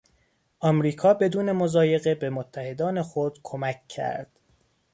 امریکا بدون مضایقه به متحدان خود کمک کرد.